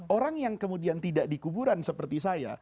orang yang kemudian tidak dikuburan seperti saya